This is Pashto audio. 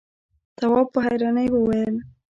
تواب په حيرانۍ وويل: